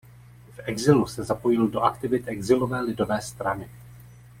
V exilu se zapojil do aktivit exilové lidové strany.